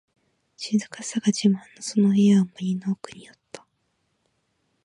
静かさが自慢のその家は、森の奥にあった。